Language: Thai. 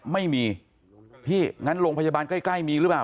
ไม่มีพี่งั้นโรงพยาบาลใกล้มีหรือเปล่า